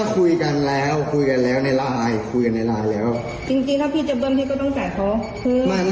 ในนั้นก็คุยกันแล้วคุยกันแล้วในลายคุยกันในลายแล้วจริงจริงถ้าพี่จะเบิ้ลให้ก็ต้องจ่ายเพิ่ม